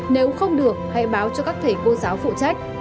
nếu không được hãy báo cho các thầy cô giáo phụ trách